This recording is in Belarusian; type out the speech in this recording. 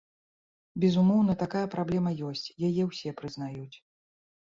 Безумоўна, такая праблема ёсць, яе ўсе прызнаюць.